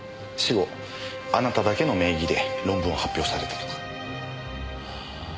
死後あなただけの名義で論文を発表されたとか。